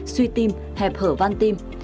suy tim hẹp hở van tim